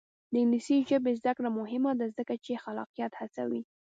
د انګلیسي ژبې زده کړه مهمه ده ځکه چې خلاقیت هڅوي.